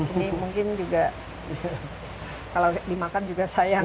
ini mungkin juga kalau dimakan juga sayang